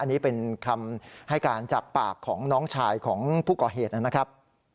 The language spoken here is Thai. อันนี้เป็นคำให้การจากปากของน้องชายของผู้ก่อเหตุนะครับ